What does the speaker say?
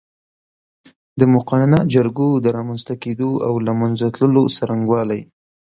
د مقننه جرګو د رامنځ ته کېدو او له منځه تللو څرنګوالی